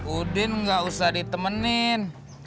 udin gak usah ditemenin